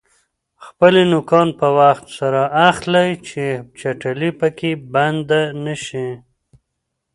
خپلې نوکان په وخت سره اخلئ چې چټلي پکې بنده نشي.